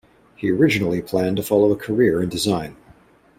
He originally planned to follow a career in design.